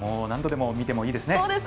何度でも見てもいいですね。